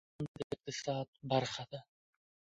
انګور د افغانستان د اقتصاد برخه ده.